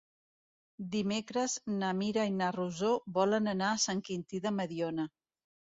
Dimecres na Mira i na Rosó volen anar a Sant Quintí de Mediona.